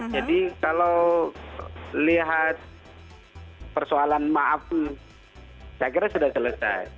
jadi kalau lihat persoalan maafnya saya kira sudah selesai